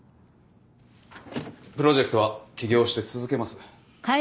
プロジェクトは起業して続けます。